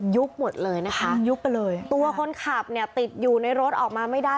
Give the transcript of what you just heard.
หมดเลยนะคะยุบไปเลยตัวคนขับเนี่ยติดอยู่ในรถออกมาไม่ได้